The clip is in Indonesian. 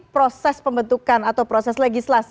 proses pembentukan atau proses legislasi